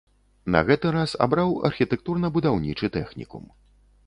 На гэты раз абраў архітэктурна-будаўнічы тэхнікум.